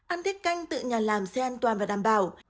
ăn tiết canh tự nhà làm xe an toàn và đảm bảo